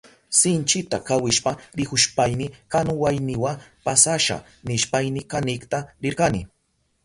Sinchita kawishpa rihushpayni kanuwayniwa pasasha nishpayni kanikta rirkani.